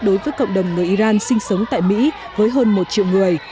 đối với cộng đồng người iran sinh sống tại mỹ với hơn một triệu người